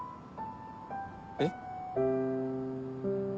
えっ？